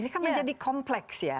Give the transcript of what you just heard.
ini kan menjadi kompleks ya